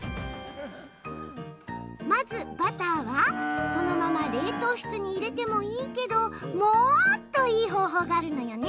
まずバターは、そのまま冷凍室に入れてもいいけどモーといい方法があるのよね。